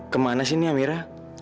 kemana sih ini amira